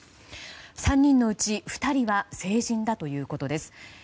３人のうち２人は成人だということです。